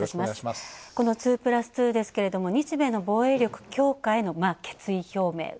この２プラス２ですけど、日米の防衛力強化への決意表明。